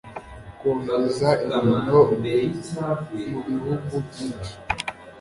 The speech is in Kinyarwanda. Kohereza ingano mu bihugu byinshi.